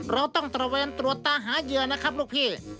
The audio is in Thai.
เราต้องตระเวนตรวจตาหาเหยื่อนะครับลูกพี่